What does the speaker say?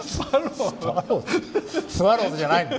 スワローズじゃないの？